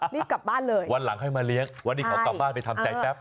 รีบกลับบ้านเลยวันหลังให้มาเลี้ยงวันนี้เขากลับบ้านไปทำใจแป๊บ